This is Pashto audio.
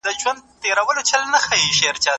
تاسو مه پرېږدئ چې ټولنیز تضادونه مو سره جلا کړي.